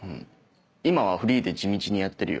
今はフリーで地道にやってるよ。